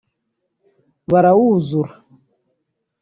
barawuzura